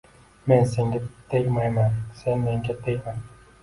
Men senga tegmayman, sen menga tegma